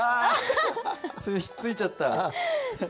ひっついちゃった。